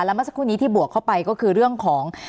เมื่อสักครู่นี้ที่บวกเข้าไปก็คือเรื่องของ